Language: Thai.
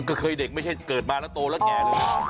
ก็เคยเด็กไม่ใช่เกิดมาแล้วโตแล้วแก่เลย